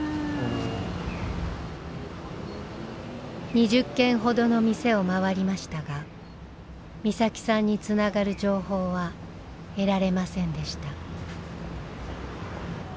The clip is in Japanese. ２０軒ほどの店を回りましたが美咲さんにつながる情報は得られませんでした。